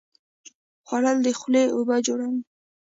خوړل د خولې اوبه جوړوي